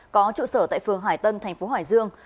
có trụ sở tại phường hải tân thành phố hải dương